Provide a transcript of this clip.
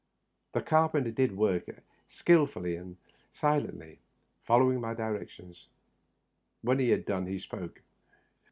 The car penter did his work silently and skillfully, following my directions. When he had done he spoke.